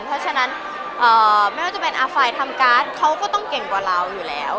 เพราะฉะนั้นไม่ว่าจะเป็นไฟล์ทำการ์ดเขาก็ต้องเก่งกว่าเราอยู่แล้ว